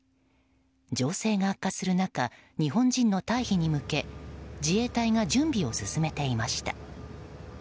情勢が悪化する中日本人の退避に向け自衛隊が準備を進めていました。